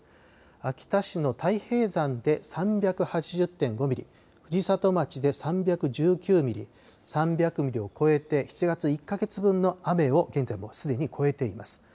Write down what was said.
秋田市の太平山で３８０．５ミリ、藤里町で３１９ミリ、３００ミリを超えて７月１か月分の雨を現在もうすでに超えています。